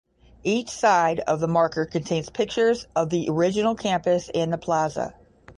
Each side of the marker contains pictures of the original campus and the plaza.